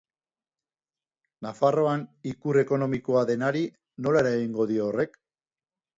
Nafarroan ikur ekonomikoa denari nola eragingo dio horrek?